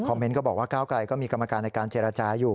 เมนต์ก็บอกว่าก้าวไกลก็มีกรรมการในการเจรจาอยู่